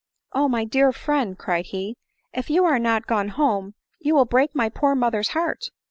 " Oh ! my dear friend, cried he, " if you are not gone home you will break my poor mother's heart